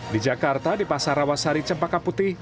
di jakarta di pasar rawasari cempaka putih